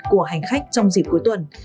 của hành khách trong dịp cuối tuần